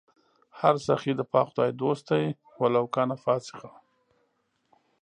هر سخي د پاک خدای دوست دئ ولو کانَ فاسِقا